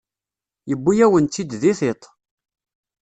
Yewwi-yawen-tt-id di tiṭ.